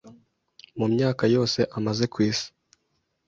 mu myaka yose amaze ku Isi